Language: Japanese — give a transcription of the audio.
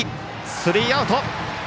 スリーアウト。